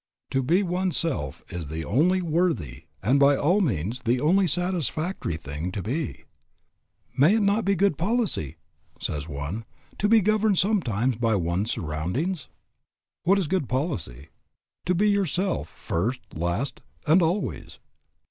To be one's self is the only worthy, and by all means the only satisfactory, thing to be. "May it not be good policy," says one, "to be governed sometimes by one's surroundings?" What is good policy? To be yourself, first, last, and always.